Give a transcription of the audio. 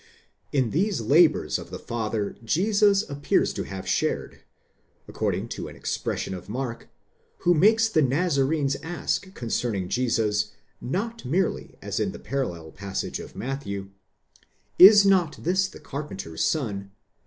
In these labours of the father Jesus appears to have shared, according to an expression of Mark, who makes the Nazarenes ask concerning Jesus, not merely as in the parallel passage of Matthew: 75 not this the carpenters son?